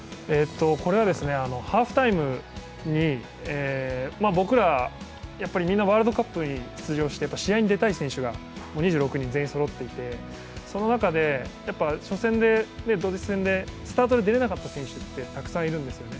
これはハーフタイムに、僕らみんなワールドカップに出場して試合に出たい選手が２６人、全員そろっていて、その中で初戦でドイツ戦でスタートで出れなかった選手ってたくさんいるんですよね